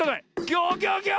ギョギョギョ！